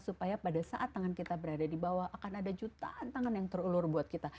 supaya pada saat tangan kita berada di bawah akan ada jutaan tangan yang terulur buat kita